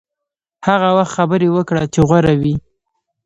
هغه وخت خبرې وکړه چې غوره وي.